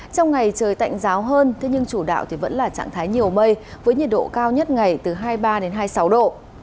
trong ngày trời tạnh giáo hơn thế nhưng chủ đạo vẫn là trạng thái nhiều mây với nhiệt độ cao nhất ngày từ hai mươi ba đến hai mươi sáu độ